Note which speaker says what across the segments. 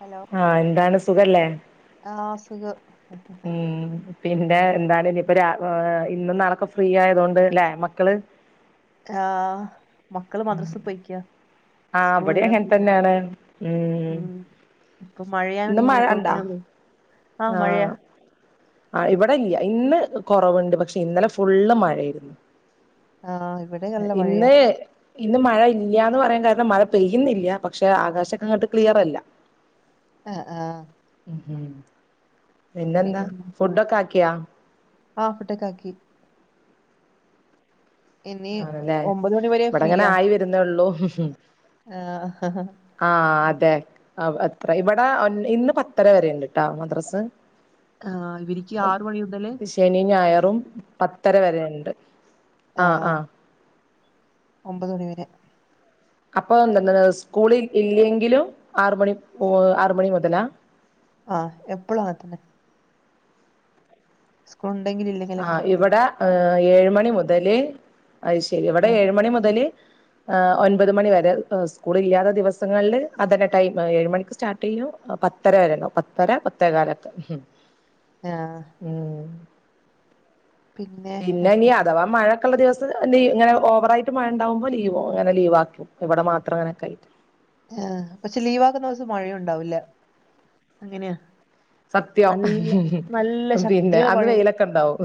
Speaker 1: Hello
Speaker 2: ആഹ് എന്താണ് സുഖല്ലേ.
Speaker 1: ആഹ് സുഖം.
Speaker 2: ഉം പിന്നെ എന്താണ് ഇനിയിപ്പ രാ അഹ് ഇന്ന് നാളേക്കെ ഫ്രീ ആയതൊണ്ട്ല്ലേ മക്കള്
Speaker 1: ആഹ് മക്കള് മദ്രസെ പോയിക്ക.
Speaker 2: ആഹ് ഇവടിം
Speaker 1: സ്കൂളില
Speaker 2: അങ്ങൻ
Speaker 1: പിന്നെ
Speaker 2: തന്നേണ്
Speaker 1: ഉം ഇപ്പൊ മഴയാണ്
Speaker 2: ഇന്ന് മഴ
Speaker 1: ഇങ്ങനെ [unintelligible]
Speaker 2: ഇണ്ടാ ആഹ് ആഹ് ഇവിടെ ഇല്ല്യ ഇന്ന് കൊറവിണ്ട് പക്ഷെ ഇന്നലെ ഫുള്ള് മഴേയിരുന്നു.
Speaker 1: ആഹ് ഇവിടെ നല്ല മഴയാ
Speaker 2: ഇന്ന് ഇന്ന് മഴ ഇല്ല്യാന്ന് പറയാൻ കാരണം മഴ പെയ്യുന്നില്ല പക്ഷെ ആകാശക്കെ അങ്ങട്ട് ക്ലിയറല്ല.
Speaker 1: അഹ് ആഹ്
Speaker 2: ഉം ഉം പിന്നെന്താ
Speaker 1: പിന്നെ
Speaker 2: ഫുഡൊക്കെ ആക്കിയാ.
Speaker 1: ആഹ് ഫുഡക്കാക്കി. ഇനി
Speaker 2: ആണല്ലേ
Speaker 1: ഒമ്പത് മണി വരെ
Speaker 2: ഇവിടെ അങ്ങനെ
Speaker 1: ഫ്രീയാ
Speaker 2: ആയി വ രുന്നെയൊള്ളു
Speaker 1: ആഹ്
Speaker 2: ആഹ് അതെ അവ് അത്ര ഇവിടാ ഒൻ ഇന്ന് പത്തര വരെയിണ്ടിട്ടാ മദ്രസ്.
Speaker 1: ആഹ് ഇവരിക്ക് ആറ്മണി മുതല്
Speaker 2: ശനിം ഞായറും പത്തര വരെയെണ്ട്.
Speaker 1: ആഹ് ഒമ്പത് മണി വരെ.
Speaker 2: അപ്പൊ എന്താണത് സ്കൂളിൽ ഇല്ലെങ്കിലും ആറ് മണി ഓഹ് ആറ്മണി മുതലാ
Speaker 1: ആഹ് എപ്പളും അങ്ങനെ തന്നെ സ്കൂൾ എണ്ടെങ്കിലും ഇല്ലെ
Speaker 2: ആഹ് ഇവിടാ ഏഹ് ഏഴ് മണി മുതല് അയ് ശെരി ഇവിടെ
Speaker 1: ആഹ്
Speaker 2: ഏഴുമണി മുതല് എഹ് ഒൻപത് മണി വരെ സ്കൂളില്ലാത്ത ദിവസങ്ങളില് അതന്നെ ടൈം ഏഴ് മണിക്ക് സ്റ്റാർട്ട് ചെയ്യും. പത്തര വരേണ്ടാവും പത്തര പത്തേകാലൊക്കെ
Speaker 1: ആഹ്
Speaker 2: ഉം പിന്നെ ഇനി അഥവാ മഴ [unintelligible] ദിവസ് ഇങ്ങനെ ഓവറായിട്ട് മഴയണ്ടാവുമ്പോ ലീവോ അങ്ങനെ ലീവാക്കും ഇവിടെ മാത്രം അങ്ങനെയൊക്കായിട്ട്
Speaker 1: ആഹ് പക്ഷെ ലീവാക്കുന്ന ദിവസം മഴയുണ്ടാവൂല്ല അങ്ങനെയാ
Speaker 2: സത്യം
Speaker 1: നല്ല നല്ല
Speaker 2: പിന്നെ അന്ന് വെയിലൊക്കണ്ടാവും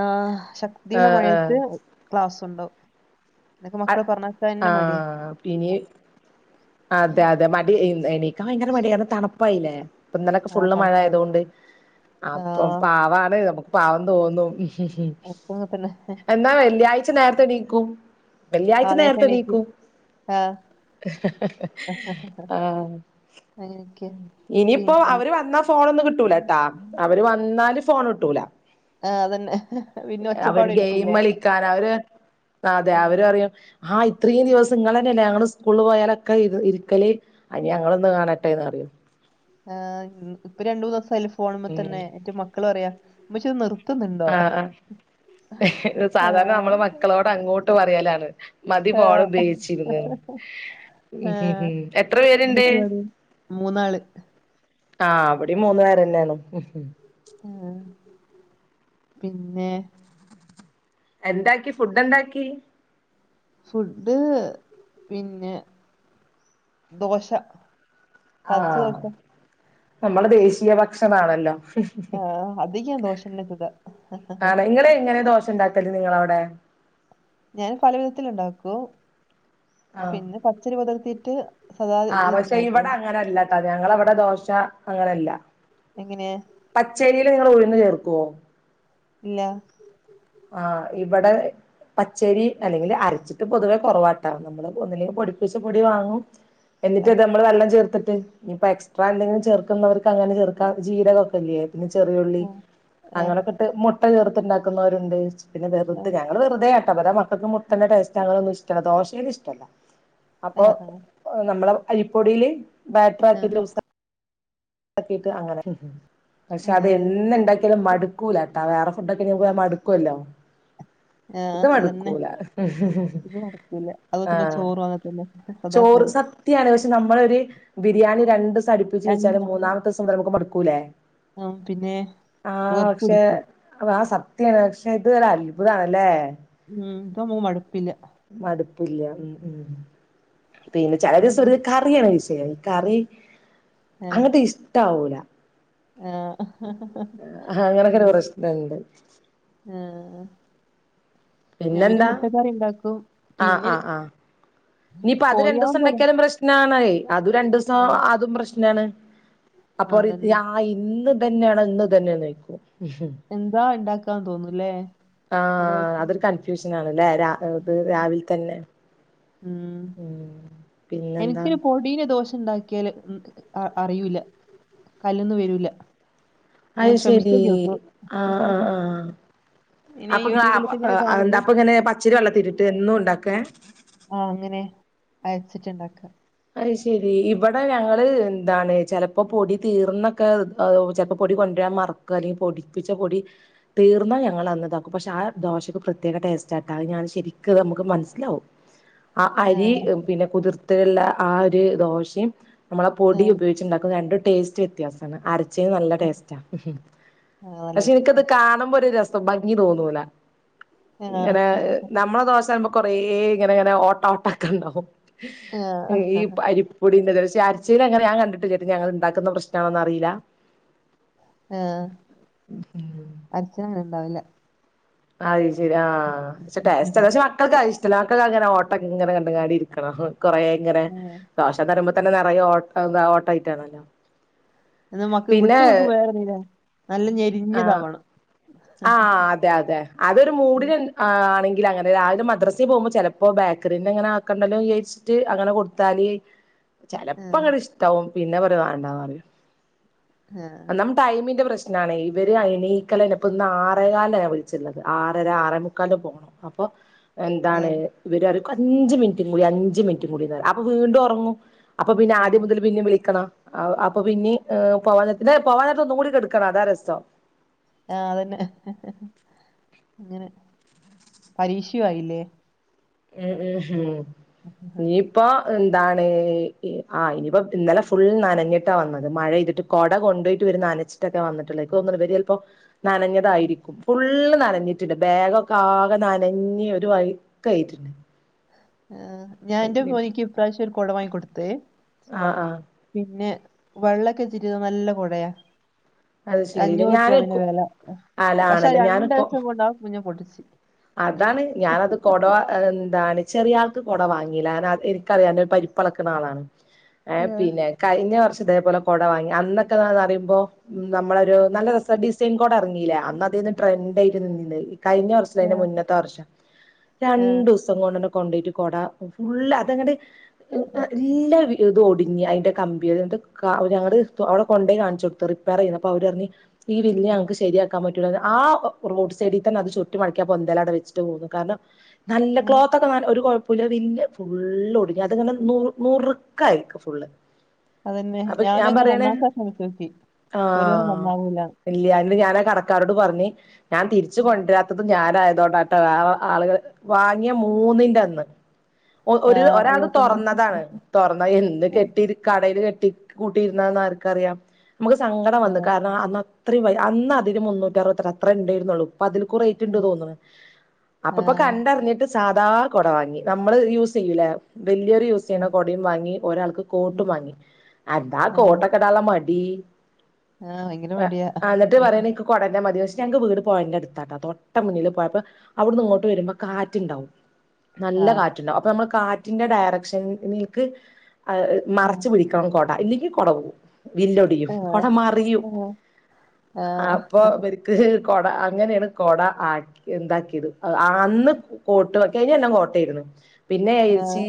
Speaker 1: ആഹ് ശക്തിയുള മഴയത്തു ക്ലാസ്സൊണ്ടാകും
Speaker 2: [unintelligible] ആഹ് [unintelligible] അതെ അതെ മടി എണീക്കാ ഭയങ്കര മടിയാ കാരണംതണുപ്പായില്ലേ ഇപ്പ ഇന്നലൊക്കെ
Speaker 1: ആ
Speaker 2: ഫുള്ള് മഴ ആയത
Speaker 1: കണക്കായില്ലേ
Speaker 2: കൊണ്ട്
Speaker 1: ആ
Speaker 2: അപ്പൊ പാവാണ് നമുക്ക് പാവം തോന്നും
Speaker 1: ഒക്കെ അങ്ങനെ തന്നെ
Speaker 2: എന്നാ വെള്ളിയാഴ്ച നേരത്തെനീക്കും
Speaker 1: ആ
Speaker 2: വെള്ളിയാഴ്ച
Speaker 1: നേരത്തെ എണീക്ക്
Speaker 2: നേരത്തെനീക്കും
Speaker 1: ആ
Speaker 2: ആഹ്
Speaker 1: അങ്ങനെക്കെ
Speaker 2: ഇനിയിപ്പോ അവര് വന്നാ ഫോണൊന്നും കിട്ടൂലേട്ടാ അവര് വന്നാല് ഫോൺ ട്ടൂല
Speaker 1: ആ അതന്നെ പിന്നെ
Speaker 2: അവര് ഗെയിം
Speaker 1: ഒച്ചപ്പാടായിരിക്കില്ലേ
Speaker 2: കളിക്കാനാ അവര് ആഹ് അതെ
Speaker 1: ആ,
Speaker 2: അവര് ആഹ് ഇത്രയും ദിവസം നിങ്ങൾ തന്നെയല്ലേ ഞങ്ങള് സ്കൂളിൽ പോയാലൊക്കെ ഇത് ഇരിക്കല് അനി ഞങ്ങളൊന്ന് കാണട്ടെന്നറിയു
Speaker 1: ആഹ് ഇപ്പൊ രണ്ടു മൂന്നിസായിലെ ഫോണ് മ്മതന്നെ എന്നിട്ട് മക്കള് പർയാ ഉമ്മച്ചി ഒന്ന് നിർ
Speaker 2: ആഹ് ആഹ്
Speaker 1: ആ,
Speaker 2: സാധാരണ നമ്മള് മക്കളോട് അങ്ങോട്ട് പറയലാണ്. മതി
Speaker 1: ആ,
Speaker 2: ഫോൺ ഉപയോഗിച്ചിരുന്ന്
Speaker 1: ആ,
Speaker 2: ഉ ഹ എത്ര പേരുണ്ട്.
Speaker 1: ഉമ്മച്ചി പറയും മൂന്നാള്
Speaker 2: ആഹ് വിടെയും മൂന്നു പേരന്നെയാണ് ഉം
Speaker 1: ആഹ് പിന്നെ
Speaker 2: എന്താക്കി ഫുഡ് എന്താക്കി
Speaker 1: ഫുഡ് പിന്നെ ദോശ പച്ച
Speaker 2: ആഹ്
Speaker 1: ദോശ
Speaker 2: നമ്മടെ ദേശീയ ഭക്ഷണാണല്ലോ
Speaker 1: ആഹ് അധികംദോഷല്ലാത്തതാ
Speaker 2: ങ്ങനെ ദോശ ഉണ്ടാക്കി [unintelligible] നിങ്ങള അവിടെ
Speaker 1: ഞാൻ പല വിധത്തി ഉണ്ടാക്കും
Speaker 2: ആഹ്
Speaker 1: പിന്നെ പച്ചരി കുതിർത്തിട്ട് സദാ ഇതിലണ്ടാക്കോ
Speaker 2: അതെ ഞങ്ങള അവിടെ ദോശ അങ്ങനെല്ല
Speaker 1: എങ്ങനെ
Speaker 2: പച്ചരീല് നിങ്ങളുഴുന്ന് ചേർക്കുവോ
Speaker 1: ഇല്ല
Speaker 2: ആഹ് ഇവിടെ പച്ചരി അല്ലെങ്കിൽ അരച്ചിട്ട് പൊതുവേ കൊറവാട്ട നമ്മള് ഒന്നുല്ലേൽ പൊടിപ്പിച്ച് പൊടി വാങ്ങും എന്നിട്ട്
Speaker 1: ആ
Speaker 2: അത് നമ്മള് വെള്ളം ചേർത്തിട്ട് ഇനി ഇപ്പൊ എക്സ്ട്രാ എന്തെങ്കിലും ചേർക്കുന്നവർക്ക് അങ്ങനെ ചേർക്കാ ജീരകക്കൊല്ല്യെ പിന്നെ ചെറിയുള്ളി
Speaker 1: ആ ആ
Speaker 2: അങ്ങനൊക്കെ ഇട്ട് മുട്ട ചേർത്ത്ണ്ടാക്കുന്നവര്ണ്ട്. പിന്നെ
Speaker 1: ആ
Speaker 2: വെറുതെ ഞ ഇവ്ടെ വെറുതെ ആട്ടാ ഇവ്ടെ മക്കൾക്ക് മുട്ടന്റെ ടേസ്റ്റ് അങ്ങനൊന്നും ഇഷ്ടല്ല ദോശേല് ഇഷ്ടല്ല
Speaker 1: ആ
Speaker 2: അപ്പൊ നമ്മള് അരിപ്പൊടിയില്
Speaker 1: ആ
Speaker 2: ബാറ്ററാക്കി ലൂസാ താക്കീട്ട് അങ്ങനെ.
Speaker 1: ആ
Speaker 2: പക്ഷെ അത് എന്ന് ഇണ്ടാക്കിയാലും മടു ക്കൂലാട്ടാ വേറെ ഫുഡ് ഒക്കെ [unintelligible] മടുക്കുവല്ലോ?
Speaker 1: ആ
Speaker 2: ഇത്
Speaker 1: അതന്നെ
Speaker 2: മടുക്കൂല
Speaker 1: ഇത് മടുക്കൂല അതുപോലെ തന്നെ
Speaker 2: ആഹ
Speaker 1: ചോറും അങ്ങനെ തന്നെ സദാ
Speaker 2: ചോറ് സ ത്തിയാണ് പക്ഷെ നമ്മള് ഒര് ബിരിയാണി രണ്ടൂസം അടിപ്പിച്ച്
Speaker 1: എണ്ണ
Speaker 2: വെച്ചാല് മൂന്നാമത്തെ ദിവസം മുതല് നമുക്ക് മടുക്കൂല്ലേ
Speaker 1: ആഹ് പിന്നെ വെറുപ്പ് പിടിക്കും.
Speaker 2: ആഹ് സത്യാണ് പക്ഷെ ഇത് ഒരു അത്ഭുതാണല്ലേ
Speaker 1: ഉം. ഇപ്പ മ്മക്ക് മടുപ്പില്ല.
Speaker 2: മടുപ്പില്ല ഉം ഉം. പിന്നെ ചെല ദിവസം
Speaker 1: ഉം,
Speaker 2: ഒരു കാ കറിയാണ് വിഷയം കറി അങ്ങട്ട് ഇഷ്ടവൂല
Speaker 1: ആഹ
Speaker 2: അഹ അങ്ങനെയൊക്കെരു പ്രശ്ണണ്ട്
Speaker 1: ആഹ് ആഹ് നാവിന്
Speaker 2: പിന്നെന്താ
Speaker 1: മുട്ടക്കറി ഉണ്ടാക്കും
Speaker 2: ആഹ്
Speaker 1: പിന്നെ
Speaker 2: ആഹ് ആഹ്
Speaker 1: കോഴിയാ പൊരേ
Speaker 2: ണണ് അതും രണ്ടുസം അതും പ്രശ്നാണ്
Speaker 1: ആ,
Speaker 2: അപ്പൊ റി
Speaker 1: അതന്നെ
Speaker 2: ആഹ് ഇന്ന് ഇതന്നെയാണോ ഇന്ന്തന്നെ ന്നോയ്ക്കും
Speaker 1: എന്താ ഇണ്ടാക്കാന്ന് തോന്നൂ ല്ലേ
Speaker 2: ആ അതൊരു കൺഫ്യൂഷ്നാണ്ലേ രാ
Speaker 1: ദിവസം
Speaker 2: രാവിൽ തന്നെ
Speaker 1: ഉം
Speaker 2: ഉം പിന്നെന്താ
Speaker 1: എനിക്ക് കോ ടീനെ ഒരു ദോഷ ഉണ്ടാക്കിയാല് അ അറിയൂല്ല കല്ല്ന്നു വെരൂല്ല
Speaker 2: അയ് ശരി ആഹ് ആഹ് ആഹ്
Speaker 1: ഇനി ഞാൻ
Speaker 2: അപ്പൊ ഇങ്ങ അപ്പൊ
Speaker 1: യൂട്യൂബിലൊക്കെ ഇങ്ങനെ
Speaker 2: എന്താ
Speaker 1: കാണുമ്പോ
Speaker 2: അപ്പൊ ഇങ്ങനെ പച്ചരി വെള്ളത്തിരിട്ട് എന്നും ഉണ്ടാക്കെ
Speaker 1: ആ അങ്ങനെ അയച്ചിട്ട്ണ്ടാക്ക
Speaker 2: അയ്യ് ശെരി ഇവടെ ഞങ്ങള് എന്താണ് ചെലപ്പോ പൊടി തീർന്നൊക്കെ ചെലപ്പം പൊടി കൊണ്ടരാൻ മറ ക്കാലി പൊടിപ്പിച്ച പൊടി തീർന്നാൽ ഞങ്ങള അന്നതാക്കും പക്ഷെ ആ ദോശയ്ക്ക് പ്രത്യേക ടെസ്റ്റട്ടോ അഹ്‌ ഞാന് ശെരിക്ക് നമ്മക്ക് മനസ്സിലാവും ആ അരി പിന്നെ കുതിർത്തയല്ല ആ ഒരു ദോശി നമ്മൾ
Speaker 1: ആ,
Speaker 2: പൊടി ഉപയോഗിച്ചിണ്ടാക്കുന്ന രണ്ടും ടേസ്റ്റ് വെ അരച്ചേന് നല്ല
Speaker 1: ആ,
Speaker 2: ടേസ്റ്റ
Speaker 1: ആ,
Speaker 2: പക്ഷെ
Speaker 1: നല്ലത്
Speaker 2: എനിക്കത് കാണുമ്പോരു ര ഭംഗി തോന്നൂല
Speaker 1: ആ,
Speaker 2: ഇങ്ങനെ നമ്മളെ ദോശാവുമ്പോ കൊറേ ഇങ്ങനെ ഇങ്ങനെ ഓട്ട ഓട്ടക്കെ ഉണ്ടാവും ഈ
Speaker 1: ആ,
Speaker 2: അരി പൊടിന്റെ പക്ഷേ അരിച്ചീനങ്ങനെ ഞാൻ കണ്ടിട്ടില്ലേട്ടോ ഞങ്ങള് ഇണ്ടാക്കുന്ന പ്രശ്നാണോ എന്ന് അറിയൂല
Speaker 1: ആഹ് അരച്ചാ അങ്ങനെ ഉണ്ടാവൂല
Speaker 2: അഹ് ശരി ആ പഷേ ടെസ്റ്റ് അതാ ക്ഷേ വ കൾക്ക് അയ് ഇഷ്ടല്ല മകൾക്ക് അങ്ങനെ ഓട്ട ഇങ്ങനെ കണ്ടുകാണ്ട് ഇരിക്കണം കൊറെ ഇങ്ങനെ
Speaker 1: ആ.
Speaker 2: ദോശന്നിറിമ്പതന്നെ നറയെ ഓ ഓട്ട ആയിട്ടാണല്ലോ
Speaker 1: എന്നാമ്മാക്ക് വിട്ടംവക്ക് വേഗം നല്ല ഞെരിഞ്ഞതാവാണം
Speaker 2: ആ അതെ അതെ അതൊരു മൂടിന ആ ആണെങ്കിൽഅങ്ങനെ രാവിലെ മദ്രസി പോവുമ്പോ ചെലപ്പോ ബേക്കറിന്നെങ്ങനെ ആക്കണ്ടല്ലോ വിചാ ഇസ്റ്റ് അങ്ങനെ കൊടുത്താല്
Speaker 1: ആ, ആ,
Speaker 2: ചെലപ്പ അങ്ങട്ട് ഇഷ്ടാവും പിന്നെ പറയു വേണ്ട റിയും
Speaker 1: ആഹ്
Speaker 2: ടൈമിന്റെ പ്രശ്നാണ് ഇവര് അയ്നീക്കലല്ലേ ഇപ്പ ഇന്ന് ആറേകാൽന ഞാൻ വിളിച്ചിരുന്നത് ആറര ആറമുക്കാൽന് പോണം അപ്പൊ
Speaker 1: ആ,
Speaker 2: എന്താണ് ഇവരറിം അഞ്ച് മിൻറ്റും കൂടി അഞ്ച് മിൻറ്റും കൂടി അപ്പം വീണ്ടും ഉറങ്ങും അപ്പ പിന്നെ
Speaker 1: ആ,
Speaker 2: ആദ്യം മുതൽ പിന്നെ വിളിക്കണം അപ്പൊ പിന്നിം പോവ പോവാനേരത് ഒന്നും കൂടി ഇങ്ങ് കിടക്കണം അതാ രസം
Speaker 1: ആഹ് അതന്നെ ഹ് ഹ് അങ്ങനെ പരീക്ഷു ആയില്ലേ
Speaker 2: ഉം ഉ ഉം
Speaker 1: ആ,
Speaker 2: ഇ ഇപ്പൊ എന്താണ് ആ ഇനിയിപ്പം ഇന്നലെ ഫുൾ നനഞ്ഞിട്ടാ വന്നത് മഴെയ്തിട്ട് കൊട കൊണ്ടയിട്ട് ഇവര് നനച്ചിട്ടട്ടോ വന്നിട്ടുള്ളത് ഇൻക്ക് തോന്ന്ണ് ഇവര് ചെലപ്പം
Speaker 1: ആ.
Speaker 2: നനഞ്ഞതായിരിക്കും ഫുള്ള് നനഞ്ഞിട്ടുണ്ട് ബാഗൊക്കെ ആകെ നനഞ്ഞി ഒരു വൈ കൈട്ടിണ്
Speaker 1: ആഹ് ഞാൻന്റെ മോന്ക്ക് ഇ പ്രാവിശ്യം ഒരു കൊട വാങ്ങി കൊടുത്തേ
Speaker 2: ആഹ് ആഹ്
Speaker 1: പിന്നെ വെള്ളൊക്കെ ചിട്ട് നല്ല കുടയാ
Speaker 2: അത് ശരില്ലേ
Speaker 1: അഞ്ഞൂർർപ്യ
Speaker 2: ഞാന്
Speaker 1: അതിനു വില
Speaker 2: അല്ല
Speaker 1: പക്ഷെ അത്
Speaker 2: ആണല്ലേ ഞാന്
Speaker 1: രണ്ടേസം കൊണ്ട ആ കുഞ്ഞ പൊട്ടിച്ച്
Speaker 2: അതാണ് ഞാനത് കൊട വ അത് എന്താണ് ചെറിയ ആൾക്ക് കൊട വാങ്ങീല ന്ന അ ഇൻക്കറിയാന് പരിപ്പളക്ക്ണ ആളാണ് ഏ
Speaker 1: ഏഹ്
Speaker 2: പിന്നെ കഴിഞ്ഞ വർഷം ഇതേപോലെ കൊട വാങ്ങി അന്നൊക്കെ ഇതാണ് അറിയുമ്പോ നമ്മളരു
Speaker 1: ഏഹ്
Speaker 2: നല്ല രസ ഡിസൈൻ കൊട എറങ്ങീലെ അന്ന അതേനി ട്രെൻഡ ആയിട്ട് നിന്നീന്നേ കഴിഞ്ഞ വർ അയ്ന്റെ മുന്നത്തെ വർഷം
Speaker 1: ഏഹ്
Speaker 2: രണ്ടും സ് ങ്ങണ്ട് കൊണ്ടോയിട്ട് കൊട ഫുള്ള് അതങ്ങണ്ട് എ ല്ല വി ഇത് ഒടിഞ്ഞ് അതിന്റെ കമ്പി അ ഞങ്ങള് അവിടെ കൊണ്ട പോയി കാണിച്ചു കൊടുത്തു റിപ്പയർ ചെയ്യുന്നു അപ്പോ അവരറിഞ് ഈ വില്ല് ഞങ്ങക്ക് ശരിയാക്കാം പറ്റൂലാന്ന് ആ റോഡ്സൈഡി തന്നെ അത് ചു മടക്കി ആ പൊന്തേല അടെ വെച്ചട്ട് പോന്നു കാരണം നല്ല
Speaker 1: ഏഹ്
Speaker 2: ക്ലോത്ത് ഒക്കെ നൽ ഒരു കൊഴ് പുലവില്ല് ഫുള്ള് ഒടിഞ് അത്ങ്ങനെ നുർ നുർക്കയ്ക്ക ഫുള്ള്
Speaker 1: അതന്നെ
Speaker 2: അപ്പൊ
Speaker 1: ഞാനു
Speaker 2: ഞാൻ
Speaker 1: ങ്ങനെ
Speaker 2: പറയണേ
Speaker 1: ഒന്നാമത്തഷ്ണം വെച്ചോക്കി ക്ഷെ ഓല് പറ
Speaker 2: ആഹ്
Speaker 1: നന്നാവൂല്ലന്ന്
Speaker 2: ഇല്ല ന്നിട്ട് ഞാനാ കടക്കാരോട് പറഞ്ഞ് ഞാൻ തിരിച്ച് കൊണ്ടരാ ത് ഞാനായതോണ്ടാട്ട വേറെ ആളുകൾ വാങ്ങിയ മൂന്നിന്റെ അന്ന് ഒ ഒരു
Speaker 1: ആഹ്
Speaker 2: ഒരാൾത്
Speaker 1: അതുപോലെ തന്നെ
Speaker 2: തുറന്നതാണ് തുറന്ന എന്ന് കെട്ടി കടൽ കെട്ടി കൂട്ടിയിരുന്നന്ന് ആർക്ക അറിയാം നമുക്ക് സങ്കടം വന്നു
Speaker 1: ആഹ്
Speaker 2: കാരണം അന്ന അത്രയും വെല അന്ന് അതിന് മുന്നൂറ്റി അറുവത്തി ക്കെ അത്ര ഉണ്ടായിരുന്നുള്ളൂ പ്പ അതിൽ കുറെ ട്ടി ണ്ട് തോന്നണ് അപ്പപ്പോ കണ്ടറിഞ്ഞിട്ട് സാധാ കൊട വാങ്ങി നമ്മള് യൂസ് ചെയ്യൂലെ വല്യോര് യൂസ്
Speaker 1: ആഹ്
Speaker 2: ചെയ്യണ
Speaker 1: ആഹ്
Speaker 2: കൊടയും വാങ്ങി ഒരാൾക്ക് കോട്ടും വാങ്ങി. അതാ കോട്ടൊക്കെടാള്ള മടി
Speaker 1: ആ ഭയങ്കര മടിയാ
Speaker 2: കൊടന്നെ മതി പശ് ഞങ്ങ്ക്ക്‌ വീട് പൊഴന്റെട് ത്താട്ടാ തൊട്ട മുന്നില് പോഴ പ്പോ അവിടുന്ന് ഇങ്ങോട്ട് വരുമ്പോ കാറ്റുണ്ടാവും നല്ല
Speaker 1: ആഹ്
Speaker 2: കാറ്റുണ്ടാവും അപ്പൊ നമ്മൾ കാറ്റിന്റെ ഡയറക്ഷൻനിൽക്ക്
Speaker 1: ആഹ്
Speaker 2: മറച്ച് പിടി ക്കൺ കൊട ഇല്ലെങ്കിൽ കുട പോവും വില്ലൊടിയും
Speaker 1: ആഹ്
Speaker 2: കൊടെ മറിയും
Speaker 1: ആഹ്
Speaker 2: അപ്പൊ കൊട അങ്ങനെയാണ് കൊട ആക്കി എന്താക്കിയത് അ ആന്ന് കോട്ട് കഴിഞ്ഞൊല്ലം കോട്ടേര്ന്ന് പിന്നെ
Speaker 1: ആഹ്
Speaker 2: എര്ച്ചീ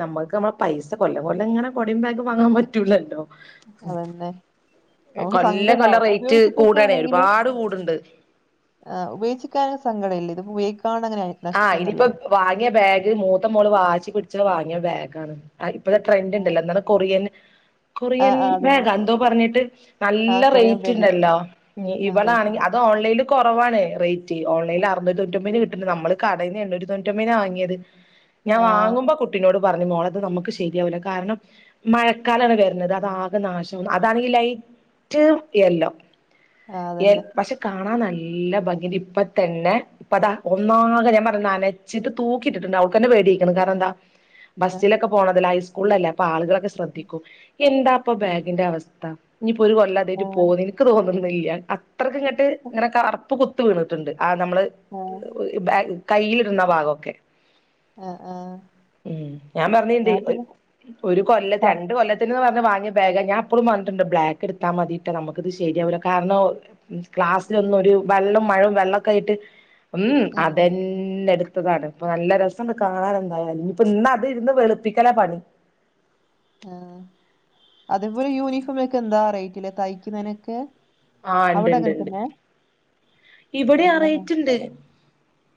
Speaker 2: നമ്മുക്ക് നമ്മെ പൈസ കൊല്ലം കൊല്ലം ഇങ്ങനെ കൊടിയ ബാഗ് വാങ്ങാൻ പറ്റൂലല്ലോ
Speaker 1: അതന്നെ നമുക്ക് സങ്കടാവും ഉപയോഗിച്ചിട്ടൊക്കെണെങ്കില്
Speaker 2: ആട് കൂടുണ്ട്
Speaker 1: ആ ഉപയോഗിച്ച്ക്ക്ആണെ സങ്കട ഇല്ല ഇതിപ്പോ ഉയോഗിക്കാണ്ട് അങ്ങനെയായി
Speaker 2: ആ ഇനിയിപ്പോ വാങ്ങിയ ബാഗ് മൂത്ത മോള് വാശി പിടിച്ച വാങ്ങിയ ബാഗ് ആണ് ആ ഇപ്പതെ ട്രെൻ്
Speaker 1: ആഹ്
Speaker 2: ണ്ടല്ലോ എന്താണ് കൊറിയൻ കൊറിയൻ
Speaker 1: ആഹ് അതന്നെ
Speaker 2: ബേഗോ എന്തോ പറഞ്ഞിട്ട്
Speaker 1: ആ
Speaker 2: നല്ല
Speaker 1: കൊറിയൻ
Speaker 2: റേറ്റ്
Speaker 1: ബേബി
Speaker 2: ഉണ്ടല്ലോ ഞ്ഞി
Speaker 1: ആ
Speaker 2: ഇവളാണെങ്കി
Speaker 1: റേറ്റിന്റെ
Speaker 2: അത് ഓൺലൈനിൽ കുറവാണ് റേറ്റ് ഓൺലൈനിൽ അറുന്നൂറ്റി തൊൂറ്റമ്പന് കിട്ടണ്ട് നമ്മള് കടേന്ന് എണ്ണൂറ്റിതൊണ്ണൂറ്റൊമ്പിനാ വാങ്ങിയത് ഞാൻ
Speaker 1: ആ
Speaker 2: വാങ്ങുമ്പോ കു കുട്ടിനോട് പറഞ് മോളേത് നമുക്ക് ശരിയാവില്ല കാരണം മഴക്കാലാണ് വരുന്നത് അതാകെ നാശാവുന്ന് അതാണെങ്കി ലൈറ്റ് എല്ലോ
Speaker 1: ആ
Speaker 2: ഏൽ
Speaker 1: അതന്നെ
Speaker 2: പക്ഷെ കാണാൻ നല്ല ഭംഗിണ്ട് ഇപ്പ തന്നെ ഇപ്പതാ ഒന്നാക് ഞാൻ പറഞ്ഞ നനച്ചിട്ട് തൂക്കിട്ടിട്ടുണ്ട് അവൾക്ക്ന്നെ പേടിയ്ക്ക്ണ് കാരണം എന്താ
Speaker 1: ആ,
Speaker 2: ബസ്സിലൊക്കെ പോണതല്ലേ ഹൈസ്കൂളിലല്ലേ അപ്പ ആളുകളൊക്കെ ശ്രദ്ധിക്കും എന്താപ്പൊ
Speaker 1: ആ,
Speaker 2: ബാഗിന്റെ അവസ്ഥ ഇനിപ്പോ ഒരു കൊല്ല അതെയ്റ്റ്
Speaker 1: ആ,
Speaker 2: പോകുന്നു എനിക്ക് തോന്നുന്നില്ല ട്ടാ അത്രയ്ക്ക് ഇങ്ങട്ട് ഇങ്ങനെ കറുപ്പ് കുത്ത് വീണിട്ടുണ്ട് ആ നമ്മള്
Speaker 1: ഉം
Speaker 2: ഈ ബാഗ് കയ്യിലിട്ന്ന ഭാഗക്കെ
Speaker 1: ആ, ആ.
Speaker 2: ഉം ഞാൻ പറഞ്ഞീണ്ട് ഒരു കൊല്ലത്ത്
Speaker 1: ആ,
Speaker 2: രണ്ട് കൊല്ലത്ത് ന്ന് പറഞ് വാങ്ങിയ ബാഗ ഞാൻ അപ്പളും പർഞ്ഞിട്ടുണ്ട് ബ്ലക്ക് എട്ത്താ മതിട്ടാ നമുക്കത് ശരിയാവല്ല കാരണം ക്ലാസ്സിലൊന്നും ഒരു വെള്ളം മഴവും വെള്ളമൊക്കെ ആയിട്ട് ഉം
Speaker 1: ആ,
Speaker 2: അതന്നെ ന്നെടുത്തതാണ് ഇപ്പൊ നല്ല രസം കാണാൻ എന്തായാലനിയിപ്പ ഇന്ന അതി ഇരുന്ന് വെളുപ്പിക്കല പണി
Speaker 1: ആ അതേപോലെ യൂണിഫോമ ഒക്കെ എന്താ റേറ്റില തയ്ക്കുന്നതിനൊക്കെ
Speaker 2: ആ ണ്ട്
Speaker 1: അവിടെ
Speaker 2: ണ്ട്
Speaker 1: അങ്ങനെ
Speaker 2: ണ്ട്
Speaker 1: തന്നെ
Speaker 2: ഇബടി ആ
Speaker 1: നല്ലതാ
Speaker 2: റയ്റ്റ്ണ്ട്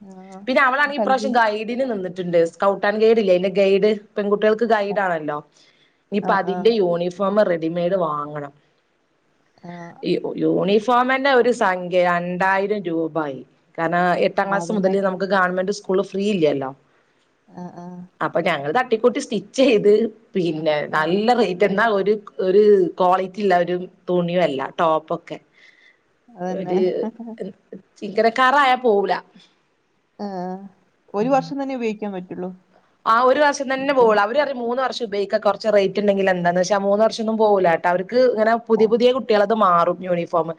Speaker 1: ആ
Speaker 2: പിന്നെ അവളാണെങ്കി ഇ
Speaker 1: കൽവി
Speaker 2: പ്രാവശ്യം കായി ട്ടിന് നിന്നിട്ട്ണ്ട് സ്കൗട്ട ആൻ ഗൈഡ് ഇല്ലേ അയ്ന്റെ ഗൈഡ് പെൺകുട്ടികൾക്ക് ഗൈഡ് ആണല്ലോ ഇനിയിപ്പ
Speaker 1: ആ ആ
Speaker 2: അതിന്റെ യൂണിഫോം റെഡിമെയ്ഡ് വാങ്ങണം
Speaker 1: ആ
Speaker 2: യൂണിഫോമനെ ഒരു സംഖ്യ രണ്ടായിരം രൂപായി കാരണം എട്ടാം
Speaker 1: ആ,
Speaker 2: ക്ലാസ്
Speaker 1: അതന്നെ
Speaker 2: മുതൽ നമുക്ക് ഗവൺമെന്റ് സ്കൂള് ഫ്രീ ഇല്ലല്ലോ
Speaker 1: ആഹ ആ
Speaker 2: അപ്പൊ ഞങ്ങത് തട്ടിക്കൂട്ടി സ്റ്റിച്ച് ചെയ്ത് പിന്നെ
Speaker 1: ആ,
Speaker 2: നല്ല റ എന്നാ ഒരു ഒരു ക്വാളിറ്റി ഇല്ല ഒരു തുണിയുംല്ല ടോപ്പ ഒക്കെ
Speaker 1: അതന്നെ
Speaker 2: ഒരു ചിങ്ങനക്കറയാാ പോവല
Speaker 1: ആഏ ഒരു വർഷം തന്നെ ഉപയോഗിക്കാൻ പറ്റുള്ളൂ
Speaker 2: ആ ഒരു വർഷംതന്നെ
Speaker 1: പിന്നെ,
Speaker 2: പോളൂ അവര അറിയും മൂന്ന് വർഷം ഉപയോഗിക്ക കുറ റേറ്റ് ഉണ്ടെങ്ക എന്താന്ന്െച്ചാൽ മൂന്ന് വർഷ ഒന്നും പോകില്ല കേട്ട അവർക്ക് ഇങ്ങനെ
Speaker 1: ആ
Speaker 2: പുതി പുതിയ കുട്ടികളത് മാറും യൂണിഫോം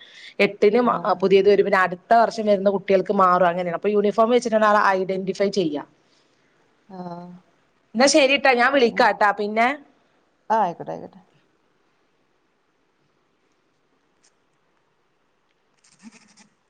Speaker 2: എട്ടിന്
Speaker 1: ആ
Speaker 2: പുതിയത് വരും പിന്നെ അടു അത്ത വർഷം വര കുട്ടികൾക്ക് മാറും അങ്ങനെയാണ് അപ്പൊ യൂണഫോം വെച്ചിട്ടണ്ടങ്ക ആ ഐഡന്റിഫൈ ചെയ്യുക
Speaker 1: ആ
Speaker 2: എന്നാ ശരിട്ടാ ഞാൻ വിളിക്കാട്ടാ പിന്നെ
Speaker 1: ആഹ ആയിക്കട്ടെ ആയിക്കട്ടെ
Speaker 2: [unintelligible]